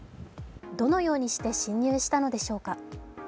どのようにして侵入したのでしょうか。